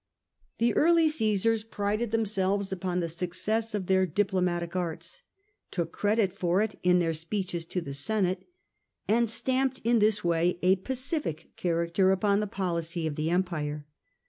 The early Csesars prided themselves upon the success of their diplomatic arts, took credit for it in their speeches to the Senate, and stamped in this way a pacific character upon the policy of the Empire.